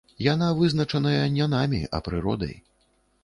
Яна вызначаная не намі, а прыродай.